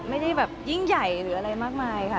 ไม่ได้แบบยิ่งใหญ่หรืออะไรมากมายค่ะ